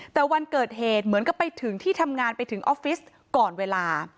แต่วันเกิดเหตุเหมือนกับไปถึงที่ทำงานไปถึงออฟฟิศก่อนเวลา